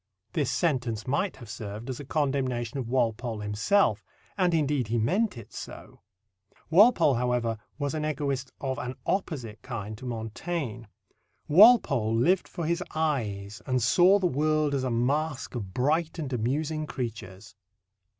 This sentence might have served as a condemnation of Walpole himself, and indeed he meant it so. Walpole, however, was an egoist of an opposite kind to Montaigne. Walpole lived for his eyes, and saw the world as a masque of bright and amusing creatures.